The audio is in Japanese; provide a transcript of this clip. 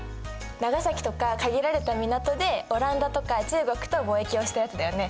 長崎とか限られた港でオランダとか中国と貿易をしたやつだよね。